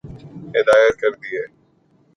ہدایت کردی ہے